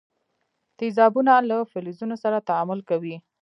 تیزابونه له فلزونو سره تعامل کوي.